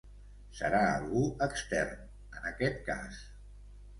Serà algú extern, en aquest cas.